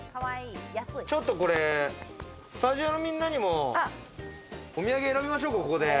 ちょっとこれ、スタジオのみんなにもお土産選びましょうか、ここで。